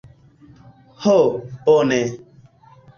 Ho, bone.